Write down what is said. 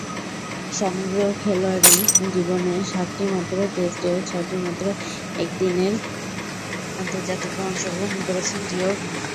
সমগ্র খেলোয়াড়ী জীবনে সাতটিমাত্র টেস্ট ও ছয়টিমাত্র একদিনের আন্তর্জাতিকে অংশগ্রহণ করেছেন জিওফ কুক।